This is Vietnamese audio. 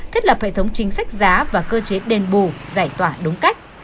thiết lập hệ thống chính sách giá và cơ chế đền bù giải tỏa đúng cách